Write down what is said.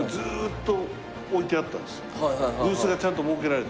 ブースがちゃんと設けられて。